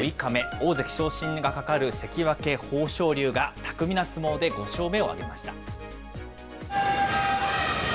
大関昇進がかかる関脇・豊昇龍が巧みな相撲で５勝目を挙げました。